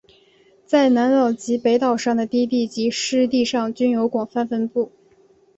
在南岛及北岛上的低地及湿地上均有广泛分布。